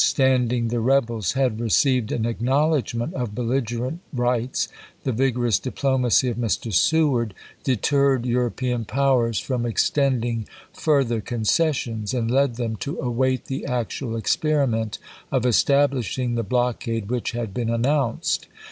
Standing the rebels had received an acknowledg ment of belligerent rights, the vigorous diplomacy of Mr. Seward deterred European powers from extending fui'ther concessions, and led them to await the actual experiment of establishing the blockade which had been announced.